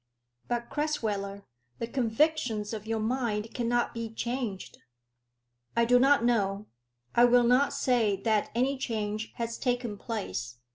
"But, Crasweller, the convictions of your mind cannot be changed." "I do not know. I will not say that any change has taken place.